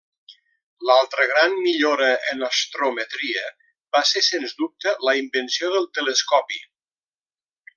L'altra gran millora en astrometria va ser sens dubte la invenció del telescopi.